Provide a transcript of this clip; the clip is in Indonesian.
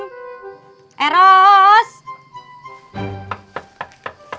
lek sepuluh harga setinggi satu miliar emas